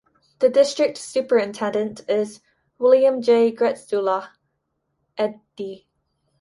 The district Superintendent is William J. Gretzula, Ed.D.